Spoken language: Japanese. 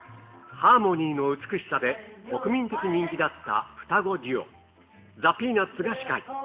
ハーモニーの美しさで国民的人気だった双子デュオ、ザ・ピーナッツが司会。